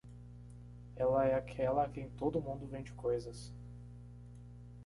Ela é aquela a quem todo mundo vende coisas.